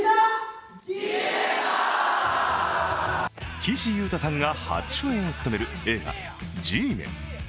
岸優太さんが初主演を務める映画「Ｇメン」。